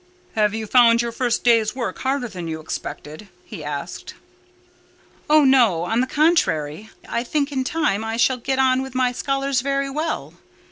"Have you found your first day's work harder than you expected?" he asked. "Oh, no! On the contrary, I think in time I shall get on with my scholars very well."